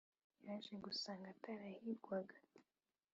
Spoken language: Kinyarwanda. yaje gusanga atarahigwaga